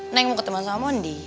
neng mau ketemu sama mondi